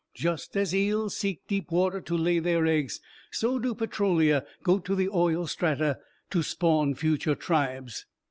Just as eels seek deep water to lay their eggs, so do Petrolia go to the oil strata to spawn future tribes.